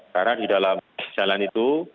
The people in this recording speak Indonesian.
karena di dalam jalan itu